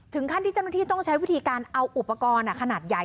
ถึงขั้นที่เจ้าหน้าที่ต้องใช้วิธีการเอาอุปกรณ์ขนาดใหญ่